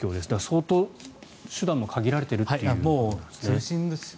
相当、手段も限られているということなんですね。